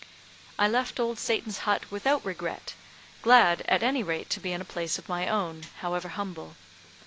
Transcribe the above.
I left Old Satan's hut without regret, glad, at any rate, to be in a place of my own, however humble.